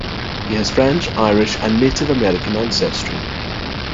He has French, Irish, and Native American ancestry.